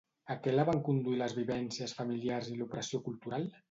A què la van conduir les vivències familiars i l'opressió cultural?